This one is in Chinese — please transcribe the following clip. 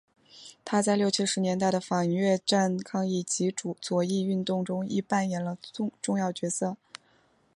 他在六七十年代的反越战抗议及左翼运动中亦扮演了重要角色。